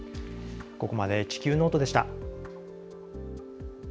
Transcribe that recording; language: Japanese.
ここまで「地球ノート」でした。